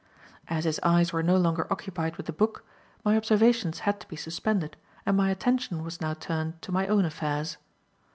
As his eyes were no longer occupied with the book, my observations had to be suspended, and my attention was now turned to my own affairs.